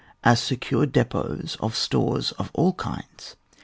As secure depots of stores of all kinds.